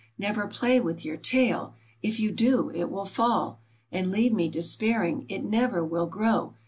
Kever play with your tail ! If you do it will fall, And leave me despairing; — It never will grow!